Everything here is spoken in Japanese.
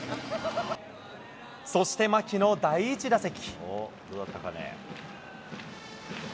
そして牧の第１打席。